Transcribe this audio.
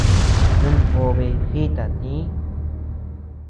Numjobe jita tï.